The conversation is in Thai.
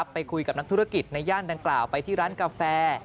ไปคุยกับนักธุรกิจในย่านดังกล่าวไปที่ร้านกาแฟ